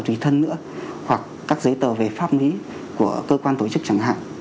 tùy thân nữa hoặc các giấy tờ về pháp lý của cơ quan tổ chức chẳng hạn